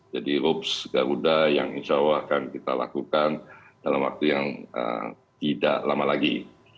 jadi rups garuda yang insya allah akan kita lakukan dalam waktu yang tidak lama lagi